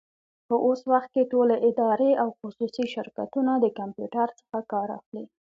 په اوس وخت کي ټولي ادارې او خصوصي شرکتونه د کمپيوټر څخه کار اخلي.